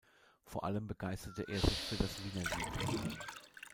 Vor allem begeisterte er sich für das Wienerlied.